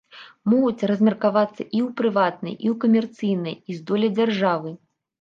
Могуць размеркавацца і ў прыватныя, і ў камерцыйныя, і з доляй дзяржавы.